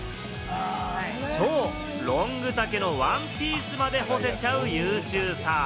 ロング丈のワンピースまで干せちゃう、優秀さ。